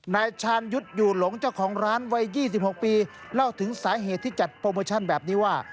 นายชาญยุทธ์อยู่หลงเจ้าของร้านวัย๒๖ปีเล่าถึงสาเหตุที่จัดโปรโมชั่นแบบนี้ว่า